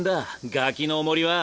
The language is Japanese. ガキのお守りは。